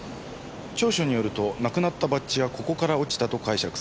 調書によるとなくなったバッジはここから落ちたと解釈された。